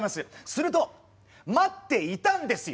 すると待っていたんですよ